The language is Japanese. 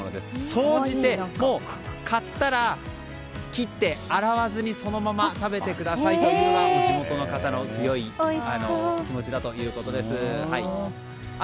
総じて買ったら切って洗わずにそのまま食べてくださいというのが地元の方の強い気持ちだということです。